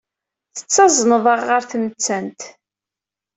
Tettazneḍ-aɣ ɣer tmettant.